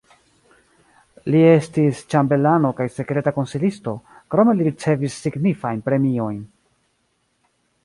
Li estis ĉambelano kaj sekreta konsilisto, krome li ricevis signifajn premiojn.